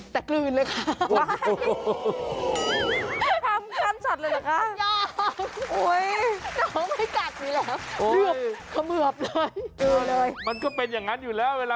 แต่กลืนเลยค่ะ